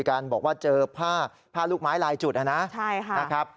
การบอกว่าเจอผ้าลูกไม้ลายจุดนะครับ